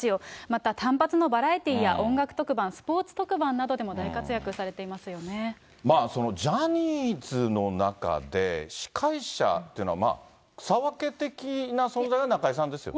また単発のバラエティーや、音楽特番、スポーツ特番などでも大活ジャニーズの中で、司会者っていうのは、草分け的な存在は中居さんですよね。